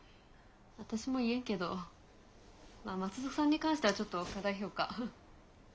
私も言えんけど松戸さんに関してはちょっと過大評価。